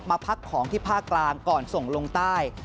พักของที่ภาคกลางก่อนส่งลงใต้